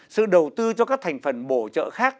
sự đầu tư cho các thành phần bổ trợ khác